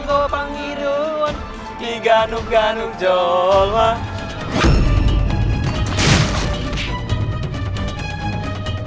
kayaknya ja thaneng dua ya